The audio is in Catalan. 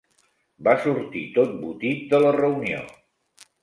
Va sortit tot botit de la reunió.